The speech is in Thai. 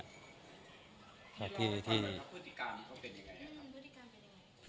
พฤติกาลก็เป็นยังไงครับ